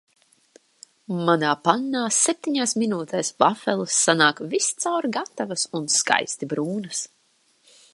Manā pannā septiņās minūtēs vafeles sanāk viscaur gatavas un skaisti brūnas.